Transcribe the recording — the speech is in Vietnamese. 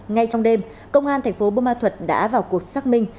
ngay trong đêm công an thành phố bô ma thuật đã vào cuộc xác minh